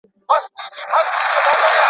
خپله پوهه په څېړنه کي وکاروه.